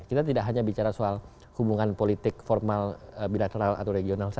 kita tidak hanya bicara soal hubungan politik formal bilateral atau regional saja